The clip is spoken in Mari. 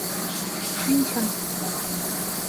Шинчым.